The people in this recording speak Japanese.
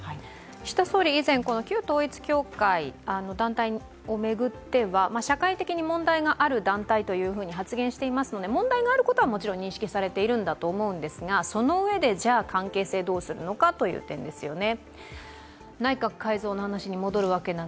岸田総理は以前、旧統一教会、団体を巡っては社会的に問題がある団体というふうに発言していますので問題があることはもちろん認識されているんだと思うんですが、そのうえで、じゃあ関係性をどうするかということですよね。